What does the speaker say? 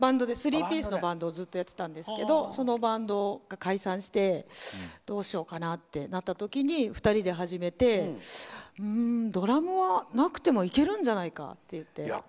スリーピースのバンドをずっとやってたんですけどそのバンドが解散してどうしようかなってなったときに２人で始めてドラムはなくてもいけるんじゃないかと。